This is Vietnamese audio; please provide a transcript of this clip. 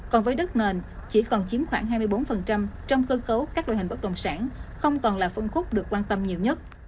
còn với đất nền chỉ còn chiếm khoảng hai mươi bốn trong cơ cấu các loại hình bất đồng sản không còn là phân khúc được quan tâm nhiều nhất